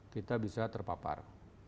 kita bisa terpapar